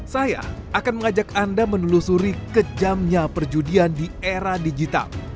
saya akan mengajak anda menelusuri kejamnya perjudian di era digital